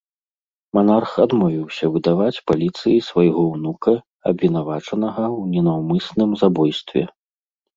Манарх адмовіўся выдаваць паліцыі свайго ўнука, абвінавачанага ў ненаўмысным забойстве.